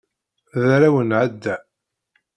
D arraw n Ɛada.